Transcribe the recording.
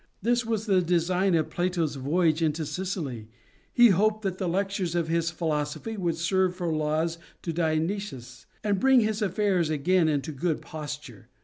This was the design of Plato's voyage into Sicily, — he hoped that the lectures of his philosophy would serve for laws to Dionysius, and bring his affairs again into a good posture.